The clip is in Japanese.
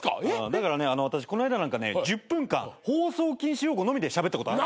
だからね私こないだなんかね１０分間放送禁止用語のみでしゃべったことある。